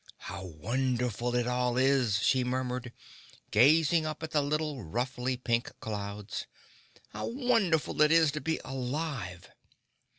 "How wonderful it all is," she murmured, gazing up at the little ruffly pink clouds. "How wonderful it is to be alive!"